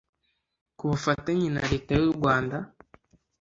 ku bufatanye na Leta y’u Rwanda